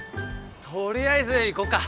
とりあえず行こっか。